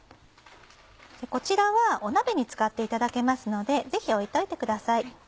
こちらはお鍋に使っていただけますのでぜひ置いといてください。